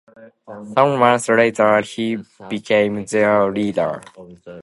Some months later he became their leader.